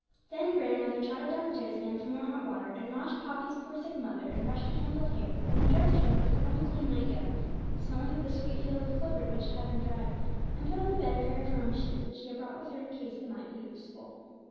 Then grandmother trotted downstairs again for more hot water, and washed Poppy's poor sick mother, and brushed her tangled hair, and then dressed her in one of her own clean night gowns, smelling of the sweet field of clover in which it had been dried, and put on the bed a pair of her own sheets, which she had brought with her in case they might be useful.